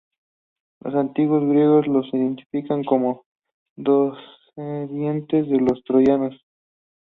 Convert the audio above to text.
Los antiguos griegos los identificaban como descendientes de los troyanos.